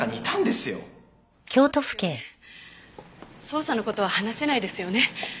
捜査の事は話せないですよね。